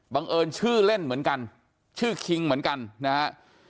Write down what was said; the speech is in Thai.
เอิญชื่อเล่นเหมือนกันชื่อคิงเหมือนกันนะฮะ